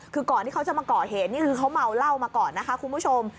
คือก่อนที่เขาจะมาก่อเหตุนี่คือเขาเมาเหล้ามาก่อนนะคะคุณผู้ชม